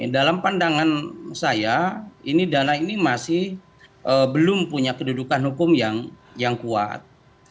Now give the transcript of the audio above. dalam pandangan saya ini dana ini masih belum punya kedudukan hukum yang kuat